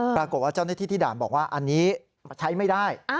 ปรากฏว่าเจ้าหน้าที่ที่ด่านบอกว่าอันนี้ใช้ไม่ได้